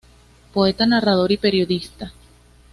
Poeta, narrador y periodista.